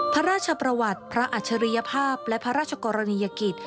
พระราชประวัติพระอัจฉริยภาพและพระราชกรณียกิจ